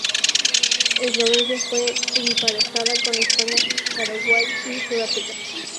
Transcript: Eslovenia fue emparejada con España, Paraguay y Sudáfrica.